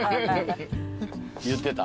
言ってた？